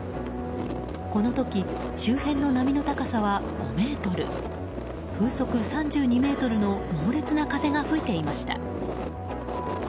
この時、周辺の波の高さは５ｍ風速３２メートルの猛烈な風が吹いていました。